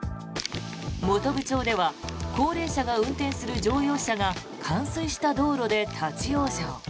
本部町では高齢者が運転する乗用車が冠水した道路で立ち往生。